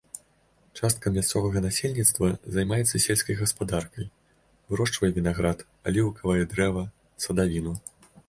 Частка мясцовага насельніцтва займаецца сельскай гаспадаркай, вырошчвае вінаград, аліўкавае дрэва, садавіну.